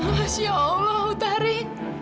masya allah utari